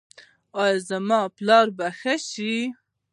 ایا زما پلار به ښه شي؟